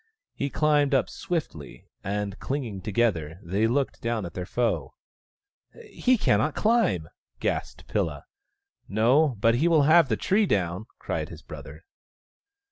He. climbed up swiftly, and, clinging together, they looked down at their foe. " He cannot climb !" gasped Pilla. " No, but he will have the tree down !" cried his brother.